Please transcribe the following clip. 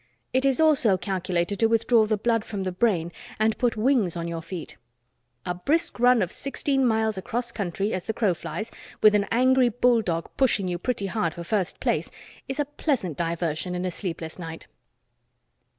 It is also calculated to withdraw the blood from the brain and put wings on your feet. A brisk run of sixteen miles across country as the crow flies with an angry bulldog pushing you pretty hard for first place, is a pleasant diversion in a sleepless night.